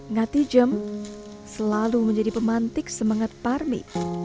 ngati jem selalu menjadi pemantik semangat parmi